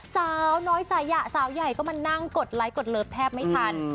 สาวน้อยสายะสาวใหญ่ก็มานั่งกดไลค์กดเลิฟแทบไม่ทัน